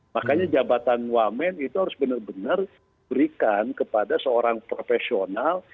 makanya jabatan wamen itu harus benar benar berikan kepada seorang profesional